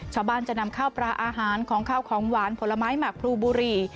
ชาวบ้านจะนำข้าวปลาอาหารของข้าวของหวานผลไม้หมักพลูบุรี